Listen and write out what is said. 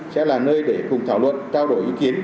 sẽ là nơi để cùng thảo luận trao đổi ý kiến